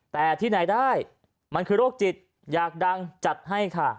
แต่ที่ไหนได้มันคือโรคจิตอยากดังจัดให้ค่ะ